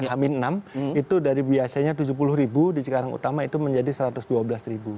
hamin enam itu dari biasanya tujuh puluh ribu di cikarang utama itu menjadi satu ratus dua belas ribu